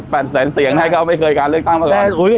แสนเสียงให้เขาไม่เคยการเลือกตั้งมาก่อน